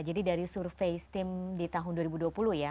jadi dari survei steam di tahun dua ribu dua puluh ya